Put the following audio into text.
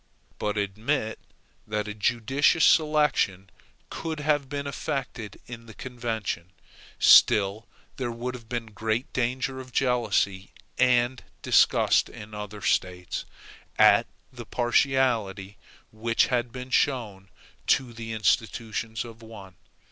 But admit that a judicious selection could have been effected in the convention, still there would have been great danger of jealousy and disgust in the other States, at the partiality which had been shown to the institutions of one.